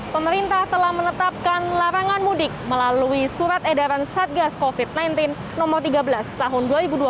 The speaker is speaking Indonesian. pemerintah telah menetapkan larangan mudik melalui surat edaran satgas covid sembilan belas no tiga belas tahun dua ribu dua puluh